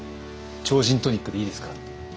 「超人トニック」でいいですか？